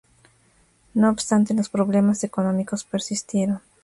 No obstante, los problemas económicos persistieron.